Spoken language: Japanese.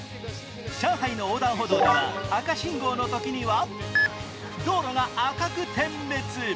上海の横断歩道では赤信号のときには道路が赤く点滅。